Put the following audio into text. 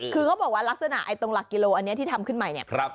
คือเขาบอกว่าลักษณะตรงหลักกิโลอันนี้ที่ทำขึ้นใหม่เนี่ย